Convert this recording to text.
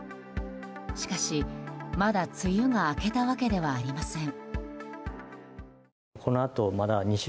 しかし、まだ梅雨が明けたわけではありません。